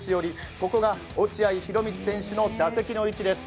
ここが落合博満選手の打席の位置です。